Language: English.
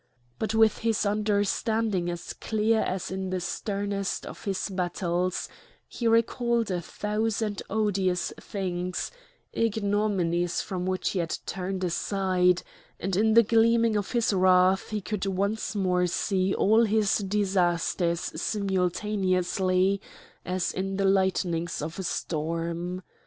But with his understanding as clear as in the sternest of his battles, he recalled a thousand odious things, ignominies from which he had turned aside; and in the gleaming of his wrath he could once more see all his disasters simultaneously as in the lightnings of a storm.